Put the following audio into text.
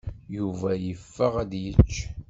Yuba yeffeɣ ad d-yečč.